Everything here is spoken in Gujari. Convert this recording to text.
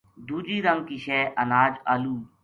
دُوجی رنگ کی شے اناج آلو